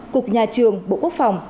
cục nhà trường bộ quốc phòng